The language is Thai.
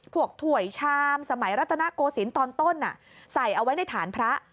ถ่วยชามสมัยรัตนโกศิลป์ตอนต้นใส่เอาไว้ในฐานพระ